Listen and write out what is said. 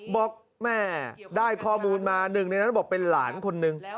บอกแม่ได้ข้อมูลมาหนึ่งในนั้นบอกเป็นหลานคนนึง